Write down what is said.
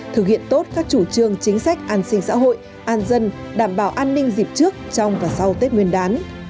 thực hiện tốt các chủ trương chính sách an sinh xã hội an dân đảm bảo an ninh dịp trước trong và sau tết nguyên đán